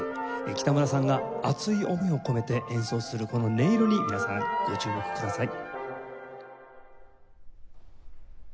北村さんが熱い思いを込めて演奏するこの音色に皆さんご注目ください。